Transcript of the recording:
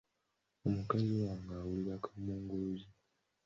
Omukazi wange awulira kaamunguluze.